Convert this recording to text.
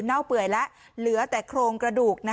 เปื่อยแล้วเหลือแต่โครงกระดูก